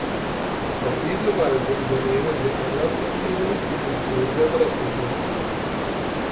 Auf diese Weise übernehmen die Einlassventile die Funktion der Drosselklappe.